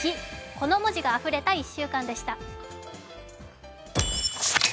この文字があふれた１週間でした。